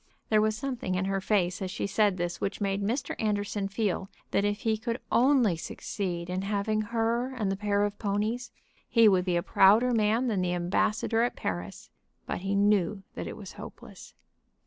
There was something in her face as she said this which made Mr. Anderson feel that if he could only succeed in having her and the pair of ponies he would be a prouder man than the ambassador at Paris. But he knew that it was hopeless.